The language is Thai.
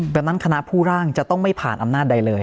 ดังนั้นคณะผู้ร่างจะต้องไม่ผ่านอำนาจใดเลย